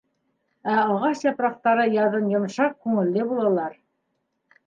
Ә ағас япраҡтары яҙын йомшаҡ күңелле булалар.